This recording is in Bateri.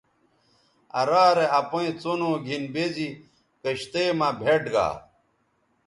آ رارے اپئیں څنو گِھن بے زی کشتئ مہ بھئیٹ گا